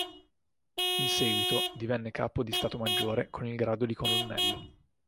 In seguito divenne Capo di Stato Maggiore con il grado di colonnello.